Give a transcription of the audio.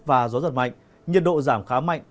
và gió giật mạnh nhiệt độ giảm khá mạnh